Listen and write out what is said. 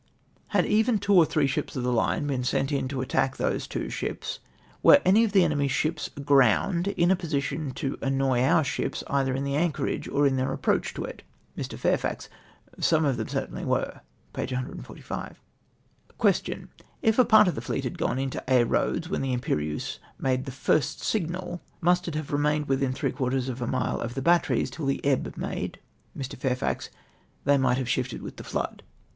—" Had even two. or three sliips of the line been sent in to attack those two ships, were any of the eneiw/s ships aground {!) in a position to annoy our ships, either in the anchorage or in their aj^j^roach to it ?" IMrv. Fairf.^j;:. —" Sorne of theyii certainly were.'''' (P. 145.) Question. —" If a part of the fleet had gone into Aix Eoads when the Irnper'ieuse made the first signal, must it have remained within three quarters of a mile of the batteries till the ebb made?" Mr. Fairfax. —" They rnirjld have shifted w'lth the flood